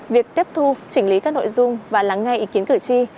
việc tiếp thu chỉnh lý các nội dung và lắng nghe ý kiến cử tri